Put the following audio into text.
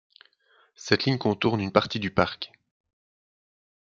Cette ligne contourne une partie du parc.